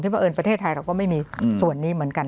เพราะเอิญประเทศไทยเราก็ไม่มีส่วนนี้เหมือนกัน